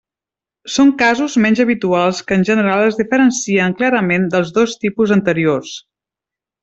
Són casos menys habituals que en general es diferencien clarament dels dos tipus anteriors.